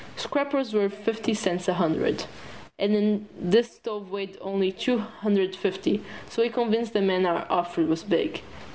Scrap was worth fifty cents a hundred, and this stove weighed only two hundred fifty, so we convinced the man our offer was big.